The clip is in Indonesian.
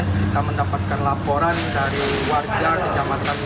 kita mendapatkan laporan dari warga di kecamatan lima puluh